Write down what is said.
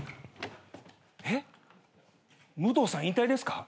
「えっ？武藤さん引退ですか？」